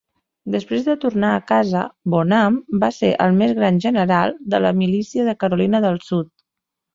Després de tornar a casa, Bonham va ser el més gran general de la milícia de Carolina del Sud.